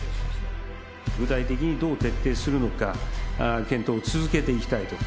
具体的にどう徹底するのか、検討を続けていきたいと。